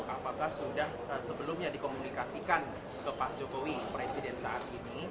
apakah sudah sebelumnya dikomunikasikan ke pak jokowi presiden saat ini